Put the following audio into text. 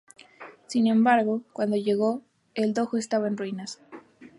Sin embargo, cuando llegó, el dojo estaba en ruinas.